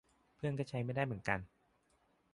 เพื่อนก็ใช้ไม่ได้เหมือนกัน